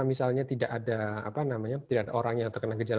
misalnya tidak ada orang yang terkena gejala